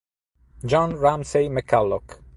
John Ramsay McCulloch